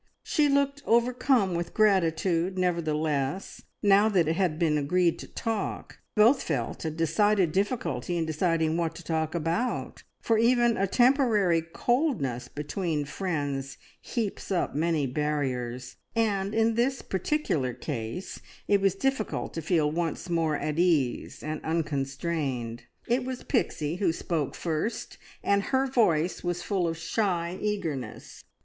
She looked overcome with gratitude, nevertheless, now that it had been agreed to talk, both felt a decided difficulty in deciding what to talk about, for even a temporary coldness between friends heaps up many barriers, and in this particular case it was difficult to feel once more at ease and unconstrained. It was Pixie who spoke first, and her voice was full of shy eagerness.